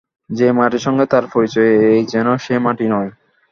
যে মাটির সঙ্গে তার পরিচয় এ যেন সে মাটি নয়।